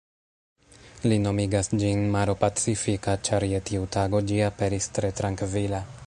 Li nomigas ĝin maro pacifika, ĉar je tiu tago ĝi aperis tre trankvila.